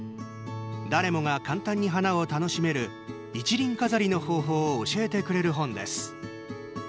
誰もが簡単に花を楽しめる一輪飾りの方法を教えてくれる本です。